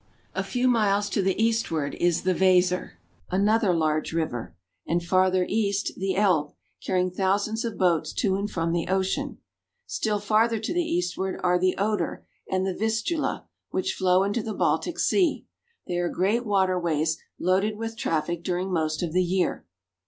A few miles to the eastward is the Weser, another large river, IN THE GERMAN EMPIRE. 189 iWJ*fc "ZtrZ'lx. Bavarian Farmers. and farther east the Elbe, carrying thousands of boats to and from the ocean. Still farther to the eastward are the Oder and the Vistula, which flow into the Baltic Sea ; they are great water ways loaded with traffic during most of the year.